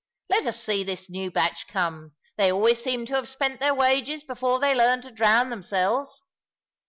Let us see this new batch come. They always seem to have spent their wages before they learn to drown themselves."